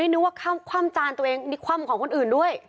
อ๋อนึกว่าความจานตัวเองมีความของคนอื่นด้วย